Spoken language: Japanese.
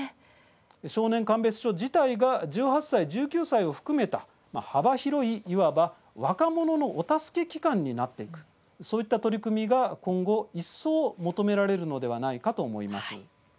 少年鑑別所自体が１８歳、１９歳を含めた幅広い、言わば若者のお助け機関になっていくそういった取り組みが今後、一層求められるのではないかと思います。